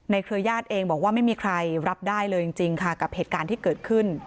เครือญาติเองบอกว่าไม่มีใครรับได้เลยจริงค่ะกับเหตุการณ์ที่เกิดขึ้น